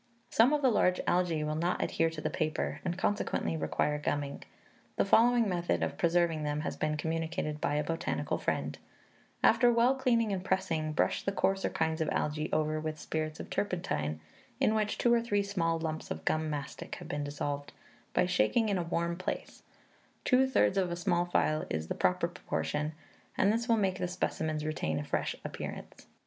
"Some of the large algae will not adhere to the paper, and consequently require gumming. The following method of preserving them has been communicated by a botanical friend: 'After well cleaning and pressing, brush the coarser kinds of algae over with spirits of turpentine, in which two or three small lumps of gum mastic have been dissolved, by shaking in a warm place; two thirds of a small phial is the proper proportion, and this will make the specimens retain a fresh appearance.'"